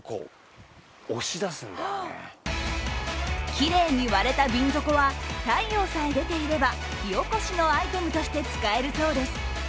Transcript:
きれいに割れた瓶底は太陽さえ出ていれば火起こしのアイテムとして使えるそうです。